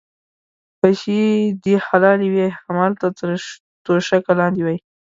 پیسې دې حلالې وې هملته تر توشکه لاندې وې.